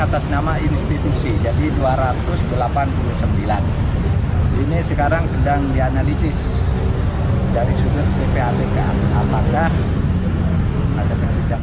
atas nama institusi jadi dua ratus delapan puluh sembilan ini sekarang sedang dianalisis dari sudut ppatk apakah ada ketidak